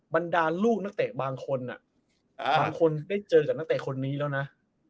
บรรดาลูกนักเตะบางคนบางคนได้เจอกับนักเตะคนนี้แล้วนะ